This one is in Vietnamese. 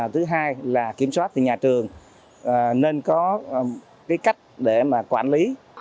thứ hai là kiểm soát thì nhà trường nên có cái cách để mà quản lý